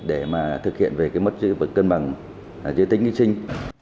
để thực hiện về mất cân bằng giới tính khi sinh